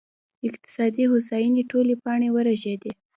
اقتصادي هوساینې ټولې پاڼې ورژېدې